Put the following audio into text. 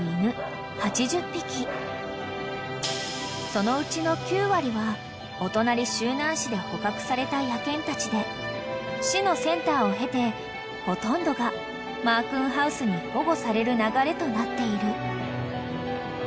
［そのうちの９割はお隣周南市で捕獲された野犬たちで市のセンターを経てほとんどがまあくんハウスに保護される流れとなっている］